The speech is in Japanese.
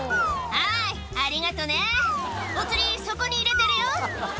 「はいありがとねお釣りそこに入れてるよ」